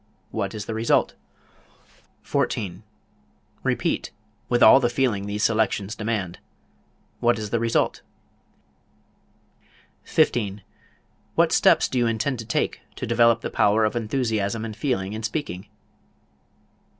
What is the result? 14. Repeat, with all the feeling these selections demand. What is the result? 15. What steps do you intend to take to develop the power of enthusiasm and feeling in speaking?